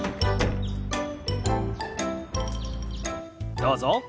どうぞ。